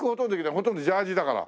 ほとんどジャージーだから。